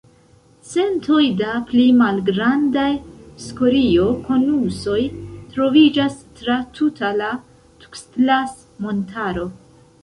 Centoj da pli malgrandaj skorio-konusoj troviĝas tra tuta la Tukstlas-Montaro.